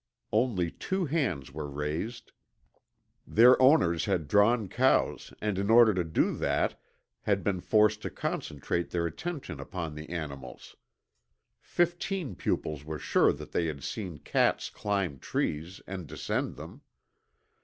Only two hands were raised. Their owners had drawn cows and in order to do that had been forced to concentrate their attention upon the animals. Fifteen pupils were sure that they had seen cats climb trees and descend them.